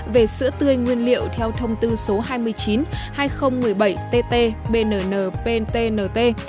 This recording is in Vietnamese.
về sữa tươi nguyên liệu theo thông tư số hai mươi chín hai nghìn một mươi bảy tt bnn ptnt